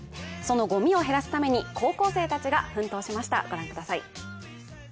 そのゴミを減らすために高校生たちが奮闘しました。